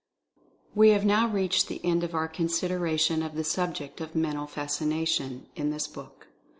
We have now reached the end of our consideration of the subject of "Mental Fascination," in this book.